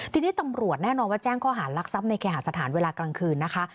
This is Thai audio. ทีนี้ตำรวจแน่นอนว่าแจ้งข้อหารักทรัพย์ในเคหาสถานเวลากลางคืนนะคะ